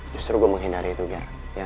justru gue menghindari itu biar